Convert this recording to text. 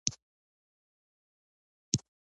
د پښتنو په کلتور کې ازادي تر هر څه لوړه ده.